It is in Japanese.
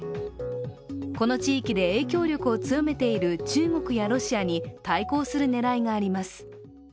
この地域で影響力を強めている中国やロシアに対抗する狙いがあります。